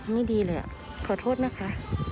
ไม่ดีเลยขอโทษนะคะ